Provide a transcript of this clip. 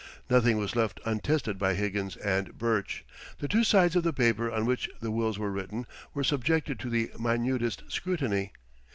Nothing was left untested by Higgins and Burch. The two sides of the paper on which the wills were written were subjected to the minutest scrutiny.